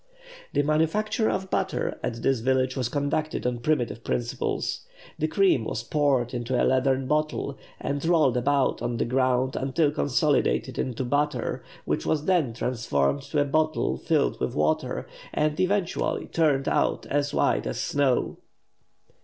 The manufacture of butter at this village was conducted on primitive principles. The cream was poured into a leathern bottle, and rolled about on the ground until consolidated into butter, which was then transferred to a bottle filled with water, and eventually turned out as white as snow.